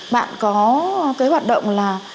bạn có cái hoạt động là